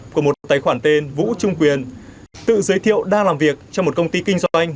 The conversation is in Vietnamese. của một tài khoản tên vũ trung quyền tự giới thiệu đang làm việc trong một công ty kinh doanh